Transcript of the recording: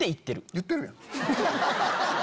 言ってるやん。